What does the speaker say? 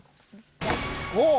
おお！